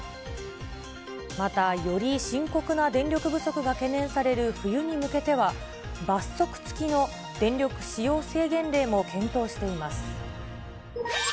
また、より深刻な電力不足が懸念される冬に向けては、罰則付きの電力使用制限令も検討しています。